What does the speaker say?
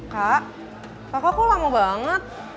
kak kakak kok lama banget